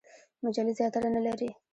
مجلې زیاتره نه لري.